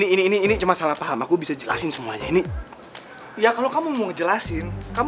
ini ini cuma salah paham aku bisa jelasin semuanya ini ya kalau kamu mau ngejelasin kamu